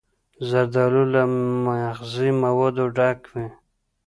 زردالو له مغذي موادو ډک وي.